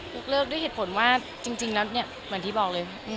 เลิกด้วยเหตุผลว่าจริงแล้วเนี่ยเหมือนที่บอกเลย